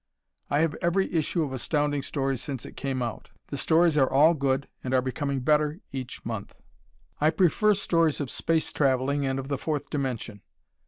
I have every issue of Astounding Stories since it came out. The stories are all good and are becoming better each month. I prefer stories of space traveling and of the fourth dimension.